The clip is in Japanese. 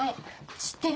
知ってる？